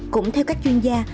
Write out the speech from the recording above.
cũng theo các chuyên gia